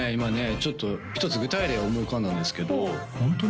ちょっと一つ具体例が思い浮かんだんですけどホントに？